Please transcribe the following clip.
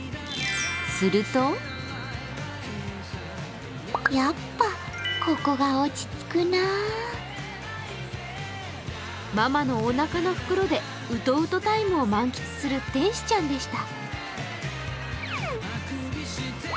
するとママのおなかの袋でうとうとタイムを満喫する天使ちゃんでした。